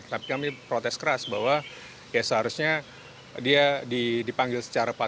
tapi kami protes keras bahwa ya seharusnya dia dipanggil secara patut